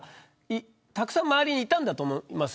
たくさん周りにいたんだと思います。